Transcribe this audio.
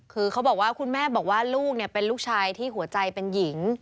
คือเขาบอกว่าคุณแม่บอกว่าลูกเป็นลูกชายที่หัวใจเป็นหญิง